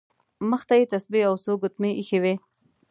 مخې ته یې تسبیح او څو ګوتمۍ ایښې وې.